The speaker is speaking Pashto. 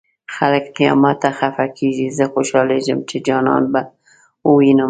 خلک قيامت ته خفه کيږي زه خوشالېږم چې جانان به ووينمه